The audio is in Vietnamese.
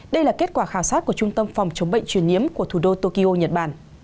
đây là kết quả khảo sát của trung tâm phòng chống bệnh truyền nhiễm của thủ đô tokyo nhật bản